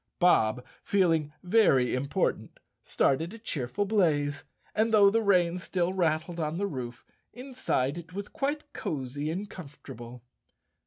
Bob, feeling very important, started a cheerful blaze, and though the rain still rattled on the roof, inside it was quite cozy and comfortable.